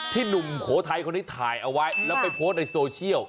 หนุ่มโขทัยคนนี้ถ่ายเอาไว้แล้วไปโพสต์ในโซเชียล